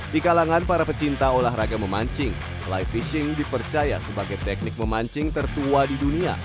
di kalangan para pecinta olahraga memancing fly fishing dipercaya sebagai teknik memancing tertua di dunia